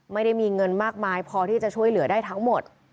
ไม่ได้มีเงินมากมายพอที่จะช่วยเหลือได้ทั้งหมด